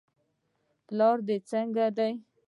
پلار دې څنګه دی.